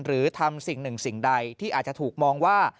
หรือทำสิ่งหนึ่งสิ่งใดที่อาจจะถูกมองว่า